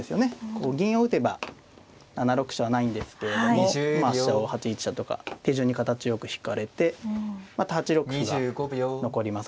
こう銀を打てば７六飛車はないんですけれどもまあ飛車を８一飛車とか手順に形よく引かれてまた８六歩が残りますしね。